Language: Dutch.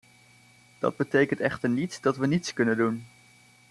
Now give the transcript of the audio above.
Dat betekent echter niet dat we niets kunnen doen.